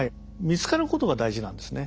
見つかることが大事なんですね。